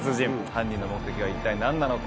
犯人の目的は一体何なのか？